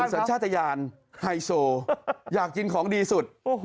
มันเหมือนสัญชาตญาณไฮโซอยากกินของดีสุด